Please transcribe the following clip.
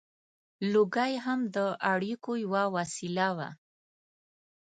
• لوګی هم د اړیکو یوه وسیله وه.